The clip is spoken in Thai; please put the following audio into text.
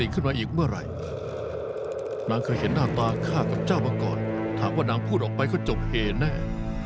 ข้าเห็นหน้าตาข้ากับเจ้ามาก่อนถามว่าน่างพูดออกไปก็จบเหน่า